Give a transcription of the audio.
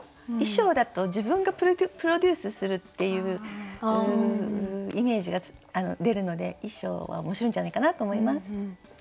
「衣装」だと自分がプロデュースするっていうイメージが出るので「衣装」は面白いんじゃないかなと思います。